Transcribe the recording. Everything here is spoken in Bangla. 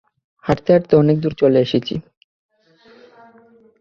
হাঁটতে-হাঁটতে অনেক দূর চলে এসেছি।